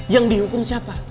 yang dihukum siapa